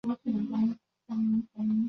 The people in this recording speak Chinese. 出生于北宁省顺成县。